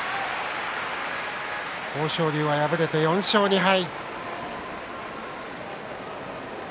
豊昇龍は敗れて４勝２敗。